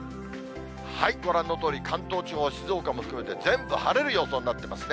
ご覧のとおり、関東地方、静岡も含めて、全部晴れる予想になってますね。